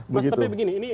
mas tapi begini